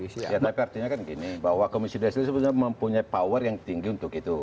tapi artinya kan gini bahwa komisi desi sebenarnya mempunyai power yang tinggi untuk itu